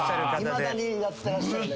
いまだにやってらっしゃる。